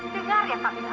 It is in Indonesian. dengar ya tamira